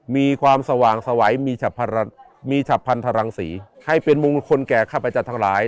มีความสว่างสวัยมีฉับพันธรังศรีให้เป็นมงคลแก่ข้าพเจ้าทั้งหลาย